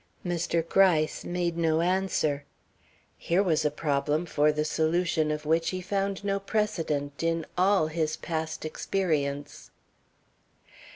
Mr. Gryce made no answer. Here was a problem for the solution of which he found no precedent in all his past experience.